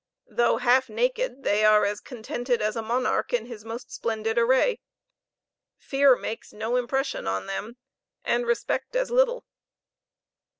Though half naked, they are as contented as a monarch in his most splendid array. Fear makes no impression on them, and respect as little."